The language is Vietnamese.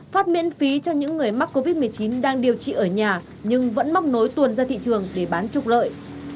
phát miễn phí cho những người mắc covid một mươi chín đang điều trị ở nhà nhưng vẫn móc nối tuồn ra thị trường để bán trục lợi